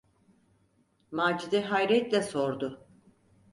Macide hayretle sordu: